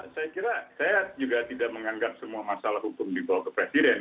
saya kira saya juga tidak menganggap semua masalah hukum dibawa ke presiden